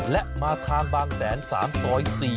และมาทางบางแสน๓ซอย๔